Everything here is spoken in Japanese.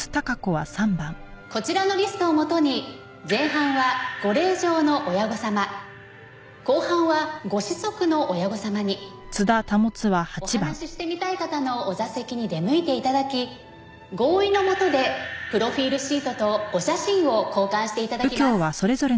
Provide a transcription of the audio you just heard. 「こちらのリストをもとに前半はご令嬢の親御様後半はご子息の親御様にお話ししてみたい方のお座席に出向いて頂き合意のもとでプロフィールシートとお写真を交換して頂きます」